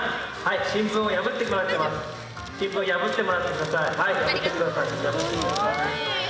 新聞を破ってもらって下さい。